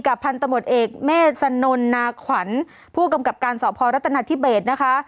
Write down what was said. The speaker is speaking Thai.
พันธมตเอกเมษนนนาขวัญผู้กำกับการสพรัฐนาธิเบสนะคะ